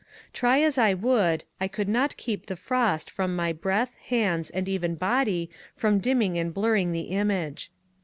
Try as I would, I could not keep the frost from my breath, hands, and even body from dimming and blurring the image.